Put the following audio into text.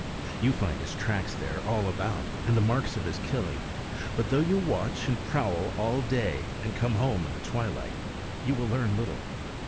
You find his tracks there all about, and the marks of his killing; but though you watch and prowl all day and come home in the twilight, you will learn little.